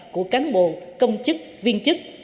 của cán bộ công chức viên chức